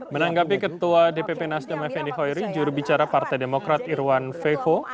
menanggapi ketua dpp nasdem fni hoeri jurubicara partai demokrat irwan feho